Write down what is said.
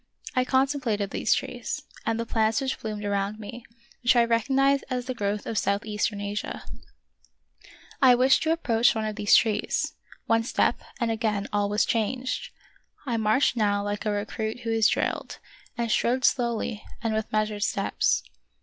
I contemplated these trees, and the plants which bloomed around me, which I recognized as the growth of southeastern Asia. of Peter Schlemihl. lOI I wished to approach one of these trees, — one step, and again all was changed. I marched now like a recruit who is drilled, and strode slowly, and with measured steps.